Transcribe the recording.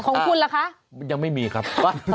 เต้นเขาไม่เลิกแล้ว